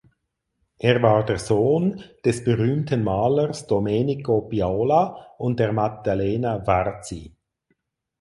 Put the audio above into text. Er war der Sohn des berühmten Malers Domenico Piola und der Maddalena Varzi.